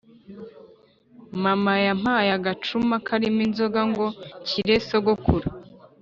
Mama yampaye agacuma karimo inzoga ngo nshyire sogokuru